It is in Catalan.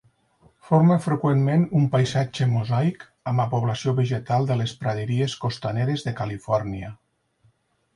Forma freqüentment un paisatge mosaic amb la població vegetal de les praderies costaneres de Califòrnia.